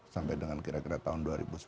sampai dengan kira kira tahun dua ribu sepuluh